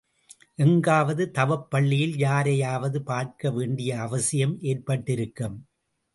எங்காவது தவப் பள்ளியில் யாரையாவது பார்க்க வேண்டிய அவசியம் ஏற்பட்டிருக்கும்.